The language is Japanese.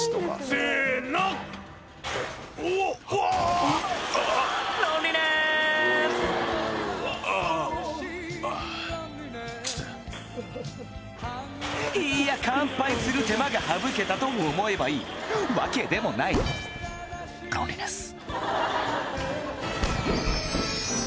クソッいや乾杯する手間が省けたと思えばいいわけでもないロンリネス